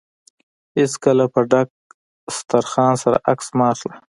هېڅکله په ډک دوسترخان سره عکس مه اخله.